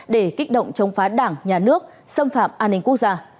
để kích động chống phá đảng nhà nước xâm phạm an ninh quốc gia